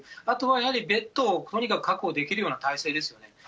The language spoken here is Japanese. あとはやはり、ベッドをとにかく確保できるような体制ですね。